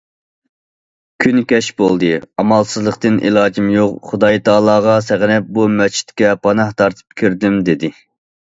كۈن كەچ بولدى، ئامالسىزلىقتىن ئىلاجىم يوق خۇدايىتائالاغا سېغىنىپ بۇ مەسچىتكە پاناھ تارتىپ كىردىم،- دېدى.